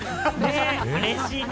うれしいよね。